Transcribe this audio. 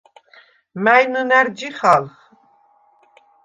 მა̈ჲ ნჷნა̈რ ჯიხალხ?